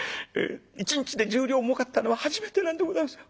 一日で１０両もうかったのは初めてなんでございます。